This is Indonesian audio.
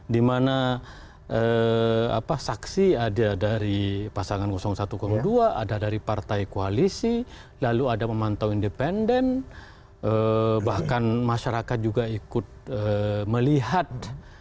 dimana saksi ada dari pasangan satu dua ada dari partai koalisi lalu ada pemantau independen bahkan masyarakat juga ikut melihat